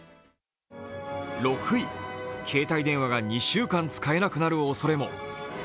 ６位、携帯電話が２週間使えなくなる恐れも。